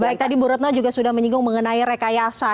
baik tadi bu retno juga sudah menyinggung mengenai rekayasa